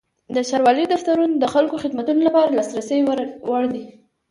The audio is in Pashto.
د ښاروالۍ دفترونه د خلکو خدمتونو لپاره د لاسرسي وړ دي.